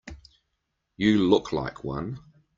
You look like one.